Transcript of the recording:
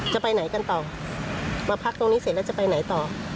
จะไปไหนกันต่อมาพักตรงนี้เสร็จแล้วจะไปไหนต่อ